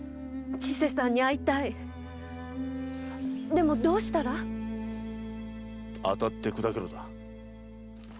でもどうしたら？当たってくだけろだ。